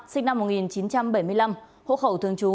sinh năm một nghìn chín trăm bảy mươi năm hộ khẩu thường trú